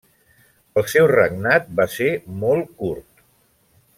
El seu regnat va ser molt curt.